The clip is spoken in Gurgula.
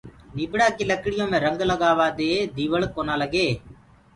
نيڀڙآ ڪي لڪڙيو ميڻ رنگ لگآرآ دي ديوݪڪونآ لگي